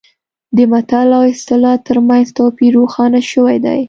د متل او اصطلاح ترمنځ توپیر روښانه شوی دی